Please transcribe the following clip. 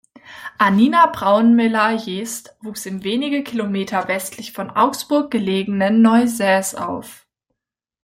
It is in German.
Annina Braunmiller-Jest wuchs im wenige Kilometer westlich von Augsburg gelegenen Neusäß auf.